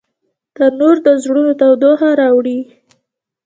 تنور د زړونو تودوخه راوړي